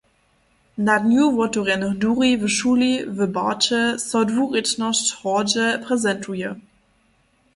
Na dnju wotewrjenych duri w šuli w Barće so dwurěčnosć hordźe prezentuje.